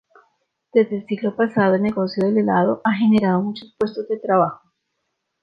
Desde el siglo pasado, el negocio del helado ha generado muchos puestos de trabajo.